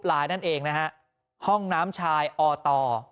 หยุดหยุดหยุด